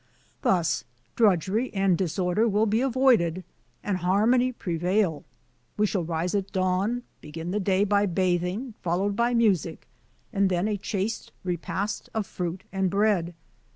"Thus drudgery and disorder will be avoided and harmony pre vail. We shall rise at dawn, b^^in the day by bathing, followed by music, and then a chaste repast of fruit and bread.